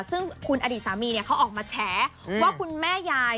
ซึ่งคุณอดีตสามีเขาออกมาแฉว่าคุณแม่ยาย